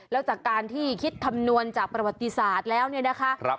แล้วจากการที่คิดคำนวณจากประวัติศาสตร์แล้วเนี่ยนะคะ